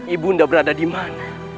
ibu nda berada di mana